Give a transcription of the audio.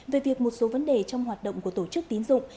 về việc một số vấn đề trong hoạt động của tổ chức tín dụng